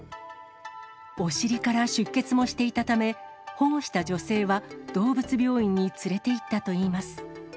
お尻から出血もしていたため、保護した女性は、動物病院に連れていったといいます。